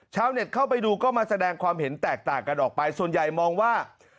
เน็ตเข้าไปดูก็มาแสดงความเห็นแตกต่างกันออกไปส่วนใหญ่มองว่า